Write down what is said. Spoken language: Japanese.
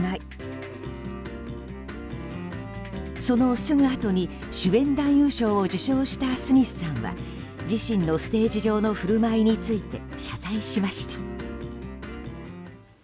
そのすぐあとに主演男優賞を受賞したスミスさんは自身のステージ上の振る舞いについて謝罪しました。